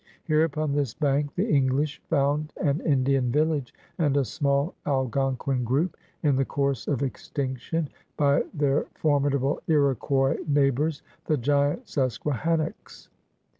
Here upon this bank the English found an Indian village and a small Algonquin group, in the course of extinction by their formidable Iroquois neigh* borsy the giant Susquehannocks.